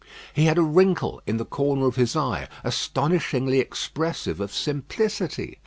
He had a wrinkle in the corner of his eye, astonishingly expressive of simplicity.